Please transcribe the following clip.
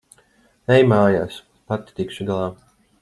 Ej mājās. Pati tikšu galā.